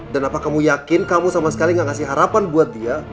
dan apa kamu yakin kamu sama sekali nggak ngasih harapan buat dia